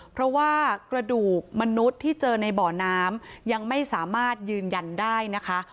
เพราะว่ากระดูกมนุษย์ที่เจอในบ่อน้ำยังไม่สามารถยืนยันได้นะคะ